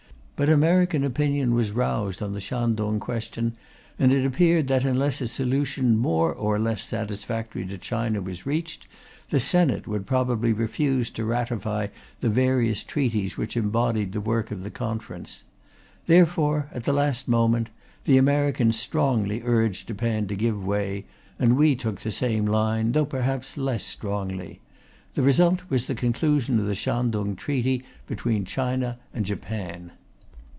But American opinion was roused on the Shantung question, and it appeared that, unless a solution more or less satisfactory to China was reached, the Senate would probably refuse to ratify the various treaties which embodied the work of the Conference. Therefore, at the last moment, the Americans strongly urged Japan to give way, and we took the same line, though perhaps less strongly. The result was the conclusion of the Shantung Treaty between China and Japan.